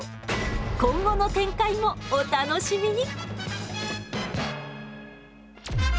今後の展開もお楽しみに！